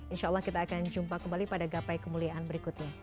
insya allah kita akan jumpa kembali pada gapai kemuliaan berikutnya